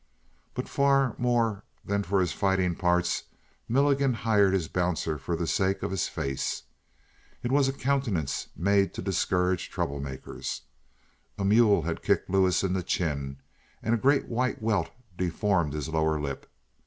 But far more than for his fighting parts Milligan hired his bouncer for the sake of his face. It was a countenance made to discourage trouble makers. A mule had kicked Lewis in the chin, and a great white welt deformed his lower lip.